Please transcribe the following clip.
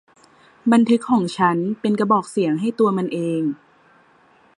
บันทึกของฉันเป็นกระบอกเสียงให้ตัวมันเอง